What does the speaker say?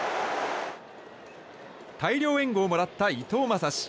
大量援護をもらった伊藤将司。